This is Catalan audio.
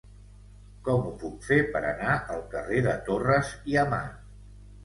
Com ho puc fer per anar al carrer de Torres i Amat?